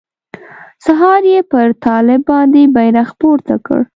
سهار يې پر طالب باندې بيرغ پورته کړ.